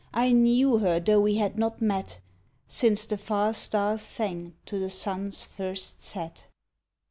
I knew her, though we had not met Since the far stars sang to the sun’s first set.